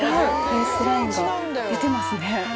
フェースラインが出てますね。